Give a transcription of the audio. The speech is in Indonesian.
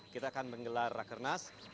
kita akan menggelar rakernas